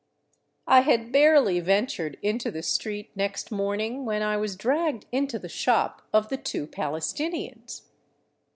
I had barely ventured into the street next morning when I was dragged into the shop of the two Palestinians.